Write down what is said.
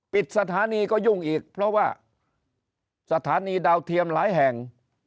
ปิดสถานีก็ยุ่งอีกเพราะว่าสถานีดาวเทียมหลายแห่ง